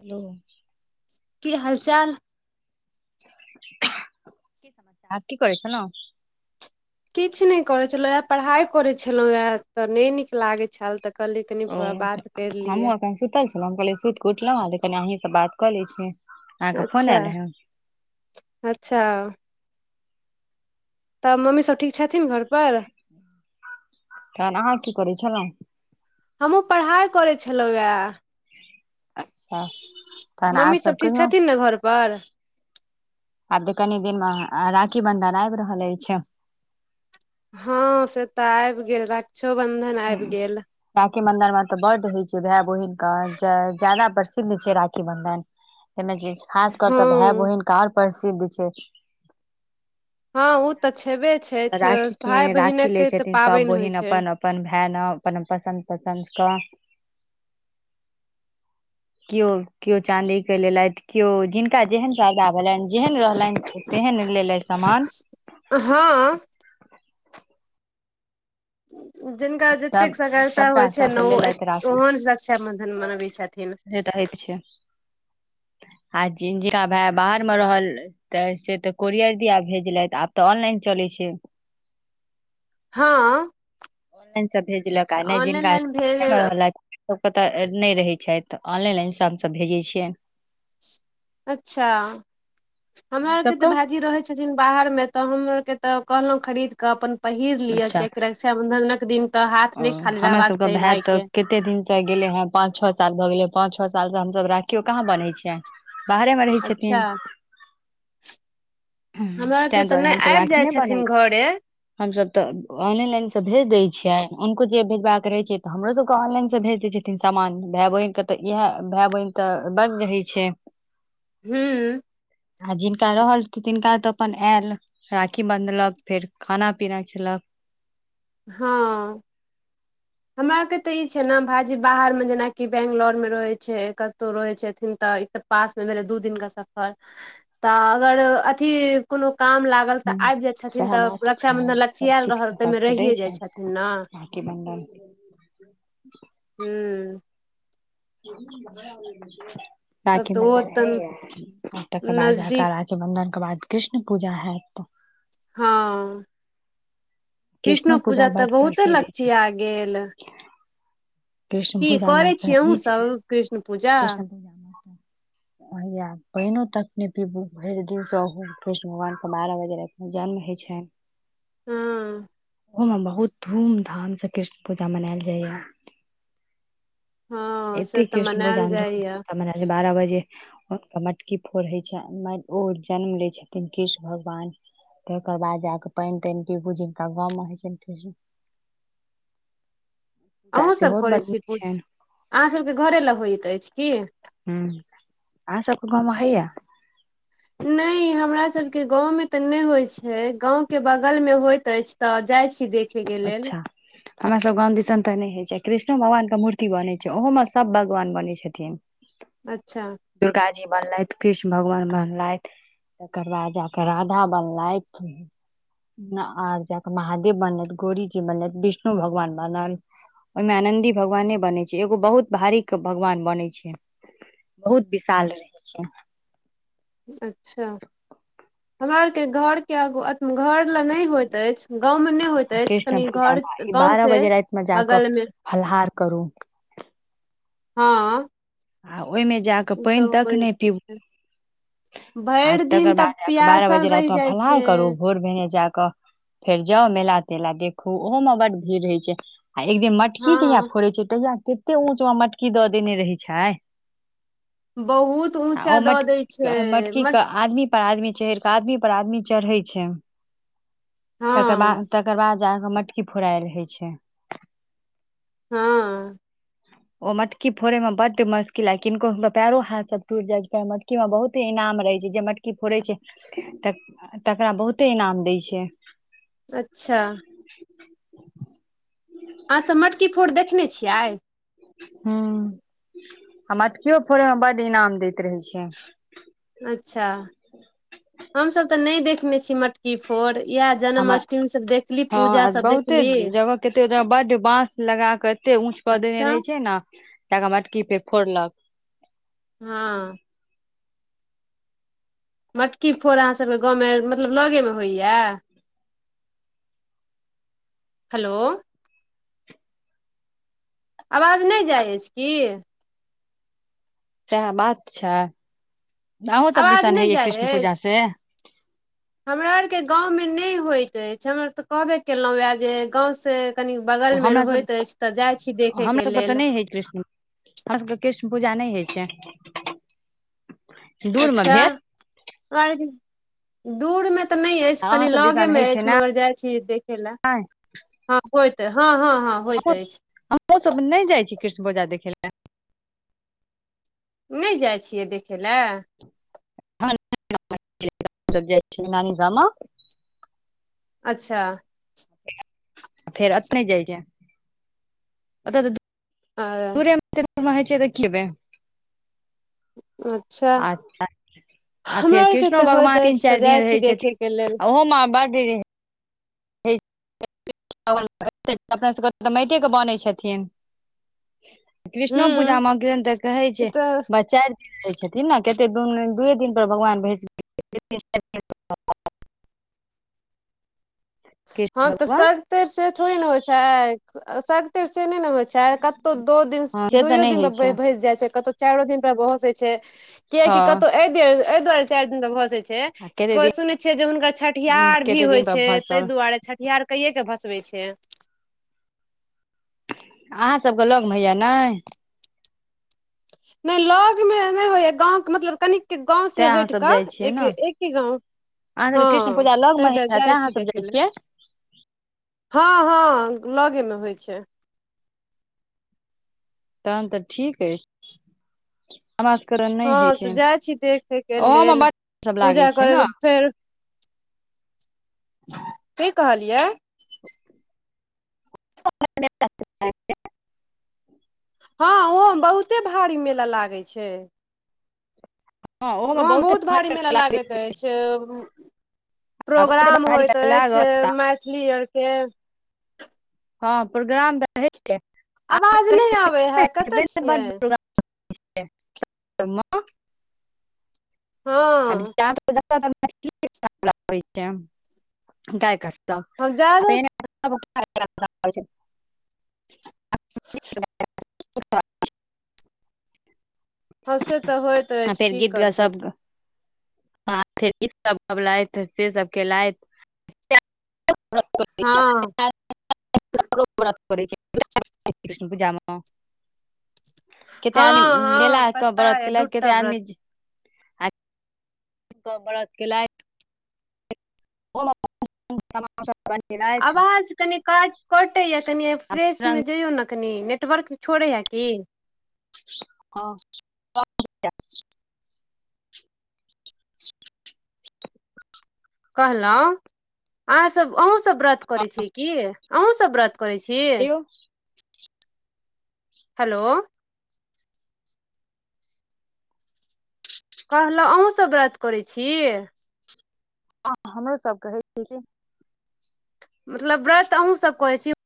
Hello. की हाल चाल। अहां की करै छलहु। किछु नय करै छलहुं, पढ़ाई करै छलहुं हे त नै नीक लागैत छल त ओ हमहुँ एखन सुतल छलहुँ, कहलियै सुति क उठलहुँ हेँ त कनि अहीं से बात क लै छी। अहाँके फोन अच्छा आयल हे - अच्छा। त मम्मी सभ ठीक छथिन घर पर तखन अहाँ की करै छलहुॅं। हमहुॅं पढ़ाई करै छलहुँ ये। अच्छा तहन आर मम्मी सब ठीक कहियौ छथिन ने घर पर। आब त कनी दिन मे राखी बन्धन आबि रहल अछि। हँ से त आबि गेल रक्षोबन्धन आबि गेल। राखी बंधन मे त बड होइ छै भाय बहिन के ज्यादा प्रसिद्ध छै राखी बंधन। एहिमे जे खास क-क भाय हँ बहिनके और प्रसिद्ध छै। हँ ओ तऽ छेबे छथि राखी के भाय राखी बहिनक लय तऽ छथिन सब पाबनि होइ बहिन छै अपन अपन भाय ले अपन पसन्द - पसन्द क [inaudible] केओ - केओ चाँदी के लेलथि केओ जिनका जेहन ज्यादा भेलनि जेहन रहलनि। तेहन लेलैथ समान। हँ। जिनका सब जतेक सगरता सबटा होइ छै सबके ने ओ लेलथि एते राखी ओहेन से क्षाबन्धन मनबै छथिन। दे दहैत छिया [unintelligible] [inaudible] आ जिनकर भाग बाहर मे रहल त से त कोरियर दिया भेजलथि आब त ऑनलाइन चलैत छै। हँ। ऑनलाइन से भेजलक तऽ नहि ऑनलाइन जिनका लाइन भेज अंगने मे रहलैथ सभ पता नहि रहै छथि त ऑनलाइने सँ हमसभ भेजै छियनि। अच्छा हमरा अहाँ आरके त सबके भाइजी रहै छथिन। छथिन बाहर मे त हम और के त कहलहुं खरीद क अपन पहिर लिय अच्छा किया कि रक्षाबंधनक दिन त हाथ ओ नहि खाली हमरा रहबाक सबके चाही भाय तऽ के कते दिन से गेले हें पांच छओ साल भ गेलै, पांच छओ साल से हमसब राखियो कहाँ बनहै छियैन। बाहरे मे र अच्छा। हमरा आरके ताहि त नै आबि जाइत छथिन घरे। हम सब त ऑनलाइन से भेज देय छियेन हुनको जे भेजवा के रहे छैे ते हमरो सब के ऑनलाइन से भेज देय छै। कि सामान भाय बहिनके त इएह भाय बहिन त बड़ रहै छै। हुॅं। आ जिनका रहल तिनका त अपन आयल राखी बान्हलक फेर खाना पीना खेलक हँ। हमरा आर के त ई छै ने भायजी बाहर मे जेनाकि बंगलोर मे रहै छै कतहु रहै छथिन त पासमे भेलय दु दिन के सफर त अगर अथि कोनो काम लागि गल तखन त हूं आबि जाय छथिन सएह त बात रक्षा छै बंधन लगचियाल सबकिछ रहल के तै मे सबके रहि दै रुकिये जाय छै छथिन न, राखी बंधन हुं। तब तऽ ओ राखीबन्धन है तऽ आज तकर बाद नजदीक हकार राखीबन्धन के बाद कृष्ण पूजा हयत। हँ। कृष्णो पूजा त बड बहुते प्रसिद्ध छै लगचिया गेल कृष्ण की पूजा करै मे तऽ छियै ई अहुँसभ छै कृष्ण पूजा? भैया पैनो तक नै पीबू भरि दिन सहू कृष्ण भगवानके बारह बजे राति जन्म होइ छनि। हुं। ओइ मे बहुत धूम धाम से कृष्ण पूजा मनायल जाइये। हँ से एतेक तऽ कृष्णपूजा मनायल मे जाइया सब बारह बजे मटकी फोड़ होइ छै ओ जन्म लै छथिन कृष्ण भगवान तकर बाद जााके पानि तानि पीरु, जकरा गांव मे होइ छै फेर पूजा अहूँसभ सेहो करै बड छी नीक पूज छनि अहाँसभके घरे लग होइत अछि की हुं, अहाँ सबके गाँवमे होइये नहि हमरा सबके गाँव मे त नहि होइत छै गाँंव के बगल मे होइत अछि त जाइ छी देख अच्छा। हमरा सब गाँव दिसन त नहि होइ छै कृष्णो भगवान के मूर्ति बनै छै ओहो में सब भगवान बनैत छथिन अच्छा। दुर्गा जी बनलथि कृष्ण भगवान बनलथि तकर बाद जाक राधा बनलथि आर जाक महादेव बनल गोरीजी बनलैथ विष्णु भगवान बनलैथ ओहिमे नन्दी भगवान नै बनै छै एगो बहुत भारी के भगवान बनै छै। बहुत विशाल रहै छै। अच्छा। हमरा आर के घर के आग घर ले नहि होयत अछि गांव मे नै होत होइत अछि, कृष्ण कनि पूजा मे बारह घरके बजे राति मे जाकऽ बगल मे फलाहार करू हँ। आ ओहिमे जाके ओ तऽ पानि तक होइ नै पीबू छै आ भरि दिन तकर तब बाद बारह पियासल बजे रहि रातिमे जाइ फलाहार छै करू आ भोर भेने जाक फेर जाउ मेला तेला देखु ओहो में बड भीड़ रहय छै आ एकदिन मट मटकी जहिया हँ फोड़े छै तहिया तते ऊंच मे मटकी द देने रहे छै बहुत ऊँचा ओ दऽ दै मटकी, छै मटकीे के मट आदमी पर आदमी चढ़ के आदमी पर आदमी चढ़ै छै तकर बाद हँ तकर बाद जाक मटकी फोरायल होइ छै। हँ। ओ मटकी फोड़े मे ब ओते मश्किल है, किनको पैरो हाथ सब टूट जाय छै मटकी मे बहुते इनाम रहे छै जे मटकी फोड़े छै। त तकरा बहुते इनाम दै छै। अच्छा। अहाँ सब मटकी फोड़ देखने छियै? हुं, मटकियो फोड़े में बड इनाम दैत रहे छै। अच्छा हमसभ तऽ नै देखने छी मट की फोर इएह हँ जन्माष्टमी सभ देखली पूजा आ सभ देखली। लगाक एते ऊंच पर देने अच्छा रहे छै ने ाका मटकी पे फोड़लक। हाँ। मटकी फोड़ अहाँसभके गाँवमे मतलब लगेमे होइए। हेलो। आवाज नै जाइ अएछ की। सएह बात छैय अहों सब आवाज दिसन नहि हेय जाइ कृष्ण पूजा अछि से। हमरा आरके गाँवमे नै होइत अएछ हम आर तऽ कहबे केलहुँ यए जे गाँवसे कनि बगल मे हमरा होइत अएछ तऽ जाइ छी देखे के लेल। हे कृष्ण हमर सभके कृष्ण पूजा नै होइ छैय। अच्छा और दूर मे तऽ नै अएछ अहाँ कनि सब लगे दिसन मे होइ छै अएछ ने मगर जाइ छी देखे लए। हँ होइत हँ हँ हँ होइत अएछ। हमु सब नहि जाइ छी कृष्ण बजा देखै लए। नै जाइ छियै देखै लए। [unintelligible] नानी गाॅंव म अच्छा। फेर अपने जाइये ओत तऽ दू आ [unintelligible] छैय तऽ किबे। अच्छा। आ आ हमरा फेर आरके कृष्णो तऽ होइत भगवान तीन अछि तऽ चाइर दिन जाइ छी रहै छथिन देखयके लेल आ ओहोमा बढ रहे। [unintelligible] अपना सब के तऽ माइटे के बनै छथिन। कृष्णो हूँ पुजा में केहन तऽ कहै ई छै तऽ बा चाइर दिन रहै छथिन न। कते दुन दुइ दिन पर भगवान भैंस [unintelligible] कृष्ण हाॅं तऽ भगवान सग्तेर से थोड़े ने होइ छैय अ सग तेर से नै ने होइ छैय कतौ दू दिन हँ से तऽ दुइयो नहि दिन पर होइ भै छै भैंस जाइ छैय कतौ चाइरो दिन पर भसे छैय हँ कियाकी कतौ ए दुआरे ए दुआरे चाइर दिन पर भसे छैय। आ छैय कते को सुनै छिय जे हुनकर दिन छठिहार भी कते होय दिन पर छैत। भसल ताहि दुआरे छठियार कैये कऽ भसबे छैय। अहाँसभ क लग में होइया नाय। नै लग में नै होयए गाँव के मतलब कनि की गाँव तें से अहाँ हैट सब कऽ जाइ छियै एक ने एके गाँव। अहाँ सबके कृष्ण हां पूजा लगमे तय द होइत हैत तें जाइ अहाँ छी सब देखै जाइ लए। छियै हां हां लगे में होय छैय। तहन तऽ ठिक अइछ। हमकरण नै हँ हैइ तऽ छैय जाइ छी देखे के लेल ओहोमें बच्च टब लागै पूजा छैय करे के न। कि कहलियै। [unintelligible] हां ओहो बहुते भारी मेला लागै छैय। हँ ओहोमे वहां बहुते बहुत भारी मेला भयंकर लागैत अइछ। आ बहुते प्रोग्राम भारी होइत अइछ लागत मैथिली आरके। हां प्रोग्राम तऽ हैइ आवाज नहि आबे है कतऽ छैय छियै बढ प्रोग्राम। [unintelligible] हँ [unintelligible] हम जादा [unintelligible] [unintelligible] हां से तऽ होयत। आ फेर गीत ग सब आ फेर गीत सब गबलाइत से सब केलाइत। हँ [unintelligible] करै छै [unintelligible] कृष्ण पूजा म। केते हँ आदमी मेला हँ क पता बरत य केलक दूटा केते व्रत आदमी हॅं बरत केलायक [unintelligible] आवाज कनि का कटेया कनि फ्रेश में जइयो ना कनि नेटवर्क छोड़े या की। [unintelligible] [unintelligible] कहलों अहाँ सब अहुं सब व्रत करै छी की अहूँ सब व्रत करै छी। हलो। कहलौं अहुँ सब व्रत करै छी। ह हमहुं सब कहै छी कि। मतलब व्रत अहूँ सब करै छी।